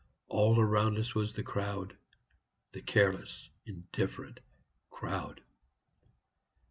All around us was the crowd the careless, indifferent crowd.